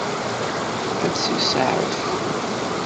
Ad tt-isaɛef?